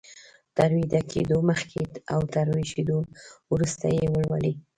تر ويده کېدو مخکې او تر ويښېدو وروسته يې ولولئ.